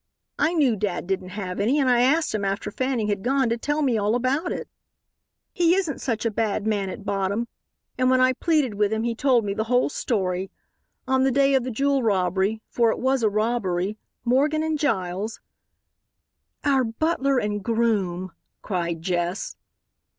I knew dad didn't have any and I asked him after Fanning had gone to tell me all about it. "He isn't such a bad man at bottom and when I pleaded with him he told me the whole story. On the day of the jewel robbery, for it was a robbery, Morgan and Giles " "Our butler and groom!" cried Jess.